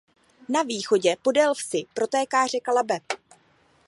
Na východě podél vsi protéká řeka Labe.